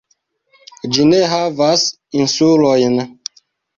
Ĝi ne havas insulojn.